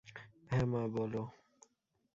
হ্যাঁ মা বলো!